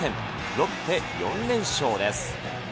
ロッテ、４連勝です。